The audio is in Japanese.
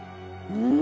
うん。